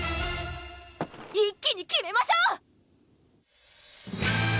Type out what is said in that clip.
一気に決めましょう！